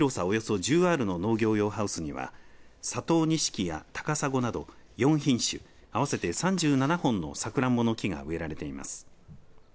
およそ１０アールの農業用ハウスには佐藤錦や高砂など４品種、合わせて３７本のサクランボの木が植えられています。